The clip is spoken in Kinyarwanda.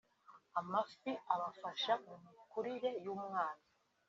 amafi abafasha mu mikurire y’umwana